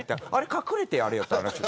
隠れてやれよっていう話。